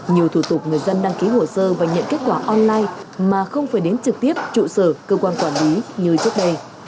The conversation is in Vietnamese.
nhiều thủ tục người dân đăng ký hồ sơ và nhận kết quả online mà không phải đến trực tiếp trụ sở cơ quan quản lý như trước đây